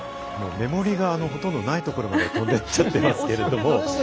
メモリがほとんどないところまで跳んでいっちゃってますけど。